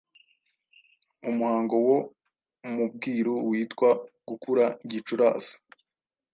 umuhango wo mu bwiru witwa “Gukura Gicurasi”.